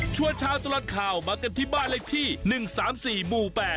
ชาวตลอดข่าวมากันที่บ้านเลขที่๑๓๔หมู่๘